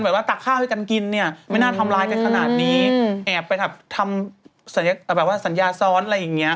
ตักข้าวให้กันกินเนี่ยไม่น่าทำร้ายกันขนาดนี้แอบไปทำแบบว่าสัญญาซ้อนอะไรอย่างเงี้